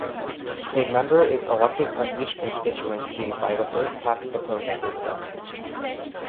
A member is elected from each constituency by the first-past-the-post system.